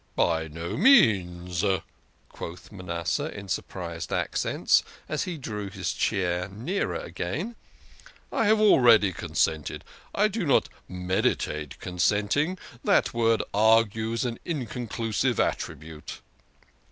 " By no means," quoth Manasseh in surprised accents, as he drew his chair nearer again, " I have already consented. I do not meditate consenting. That word argues an inconclusive attitude."